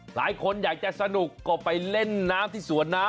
หลายคนอยากจะสนุกก็ไปเล่นน้ำที่สวนน้ำ